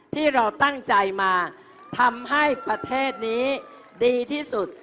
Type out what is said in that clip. ที่เราตั้งใจมาทำให้ประเทศนี้ดีที่สุด